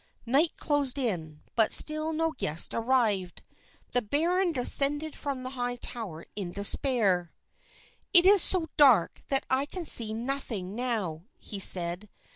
Night closed in, but still no guest arrived. The baron descended from the high tower in despair. "It is so dark that I can see nothing now," he said.